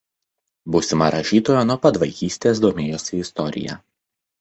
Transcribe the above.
Būsima rašytoja nuo pat vaikystės domėjosi istorija.